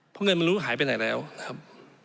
เพราะเงินมันรู้หายไปไหนแล้วครับ